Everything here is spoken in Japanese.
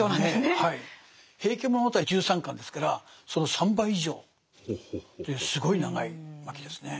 「平家物語」１３巻ですからその３倍以上というすごい長い巻ですね。